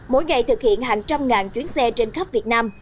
mỗi ngày thực hiện hàng trăm ngàn chuyến xe trên khắp việt nam